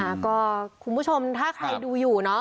ค่ะก็คุณผู้ชมถ้าใครดูอยู่เนอะ